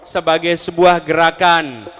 sebagai sebuah gerakan